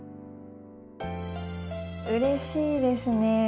うれしいですね。